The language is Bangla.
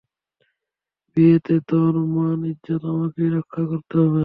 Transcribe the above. বিয়েতে তোর মান ইজ্জত আমাকেই রক্ষা করতে হবে।